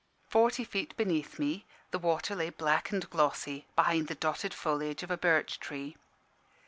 Forty feet beneath me the water lay black and glossy, behind the dotted foliage of a birch tree.